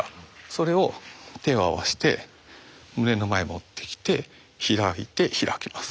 それを手を合わせて胸の前持ってきて開いて開きます。